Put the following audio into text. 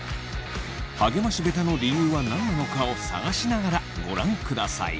励まし下手の理由は何なのかを探しながらご覧ください。